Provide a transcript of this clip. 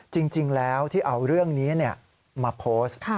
จริงแล้วที่เอาเรื่องนี้มาโพสต์